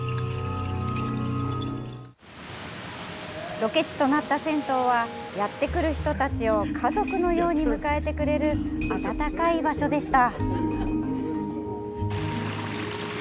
ロケ地となった銭湯はやってくる人たちを家族のように迎えてくれる温かい場所でした。